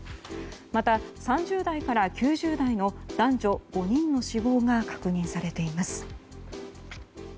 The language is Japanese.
また、３０代から９０代の男女５人の死亡が確認されています。